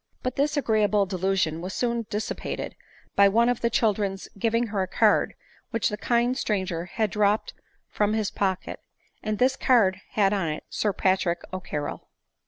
But this agreeable delusion was soon dissipated by one of the children's giving her a card which the kind stranger had dropped from his pocket; and this card had on it "Sir Patrick CCarrol."